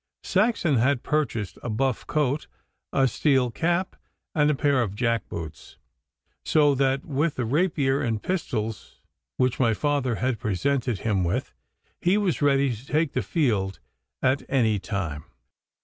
Saxon had purchased a buff coat, a steel cap, and a pair of jack boots, so that with the rapier and pistols which my father had presented him with, he was ready to take the field at any time.